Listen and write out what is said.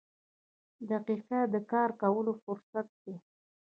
• دقیقه د کار کولو فرصت دی.